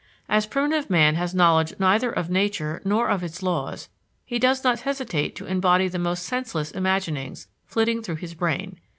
As primitive man has knowledge neither of nature nor of its laws, he does not hesitate to embody the most senseless imaginings flitting through his brain.